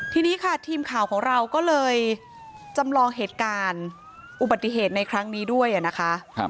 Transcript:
ทีนี้ค่ะทีมข่าวของเราก็เลยจำลองเหตุการณ์อุบัติเหตุในครั้งนี้ด้วยนะคะ